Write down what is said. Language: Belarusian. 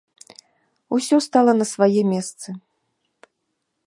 Усё стала на свае месцы.